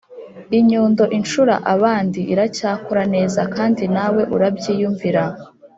inyundo incura abandi iracyakora neza, kandi nawe urabyiyumvira".